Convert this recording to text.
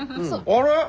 あれ？